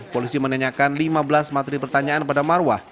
polisi menanyakan lima belas materi pertanyaan pada marwah